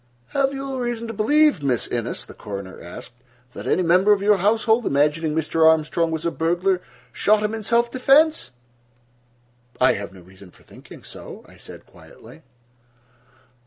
"Have you reason to believe, Miss Innes," the coroner asked, "that any member of your household, imagining Mr. Armstrong was a burglar, shot him in self defense?" "I have no reason for thinking so," I said quietly.